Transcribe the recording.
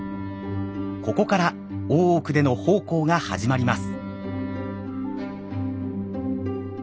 ここから大奥での奉公が始まります。